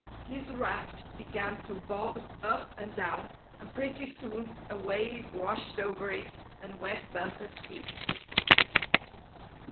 His raft began to bob up and down, and pretty soon a wave washed over it and wet Bumper's feet.